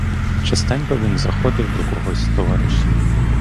Частенько він заходив до когось з товаришів.